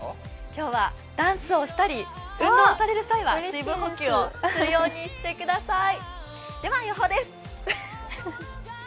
今日はダンスをしたり運動される際は水分補給をするようにしてください。